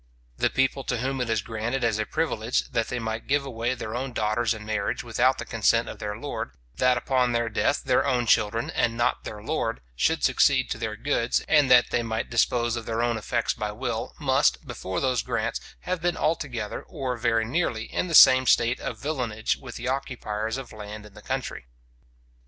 The people to whom it is granted as a privilege, that they might give away their own daughters in marriage without the consent of their lord, that upon their death their own children, and not their lord, should succeed to their goods, and that they might dispose of their own effects by will, must, before those grants, have been either altogether, or very nearly, in the same state of villanage with the occupiers of land in the country.